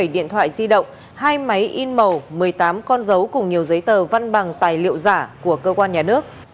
một mươi điện thoại di động hai máy in màu một mươi tám con dấu cùng nhiều giấy tờ văn bằng tài liệu giả của cơ quan nhà nước